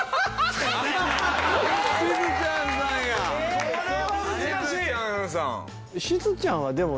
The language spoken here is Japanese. しずちゃんさん。